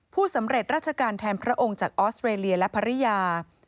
สำเร็จราชการแทนพระองค์จากออสเตรเลียและภรรยา